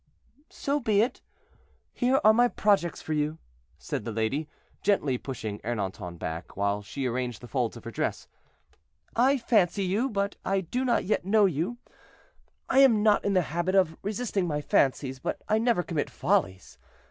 "So be it. Here are my projects for you," said the lady, gently pushing Ernanton back, while she arranged the folds of her dress; "I fancy you, but I do not yet know you. I am not in the habit of resisting my fancies; but I never commit follies.